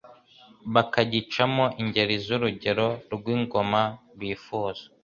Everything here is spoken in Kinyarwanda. bakagicamo ingeri z'urugero rw'ingoma bifuza.